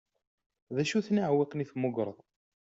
D acu-ten iɛewwiqen i d-temmugreḍ?